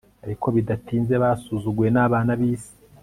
ariko bidatinze, basuzuguwe n'abana b'isi